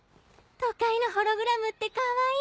都会のホログラムってカワイイ。